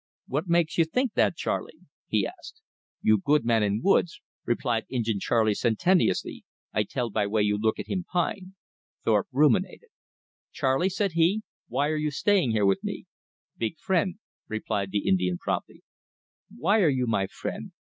"What makes you think that, Charley?" he asked. "You good man in woods," replied Injin Charley sententiously, "I tell by way you look at him pine." Thorpe ruminated. "Charley," said he, "why are you staying here with me?" "Big frien'," replied the Indian promptly. "Why are you my friend?